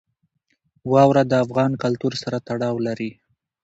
واوره د افغان کلتور سره تړاو لري.